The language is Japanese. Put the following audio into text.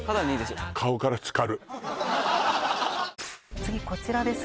次こちらです